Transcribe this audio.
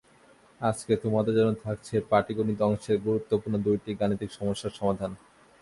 আজকে তোমাদের জন্য থাকছে পাটিগণিত অংশের গুরুত্বপূর্ণ দুইটি গাণিতিক সমস্যার সমাধান।